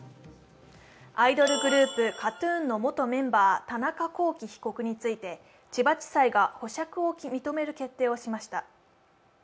アイドルグループＫＡＴ−ＴＵＮの元メンバー、田中聖被告について千葉地裁が保釈を認める決定をしました。